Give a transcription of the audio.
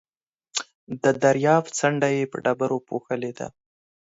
د درياب څنډه يې په ډبرو پوښلې ده.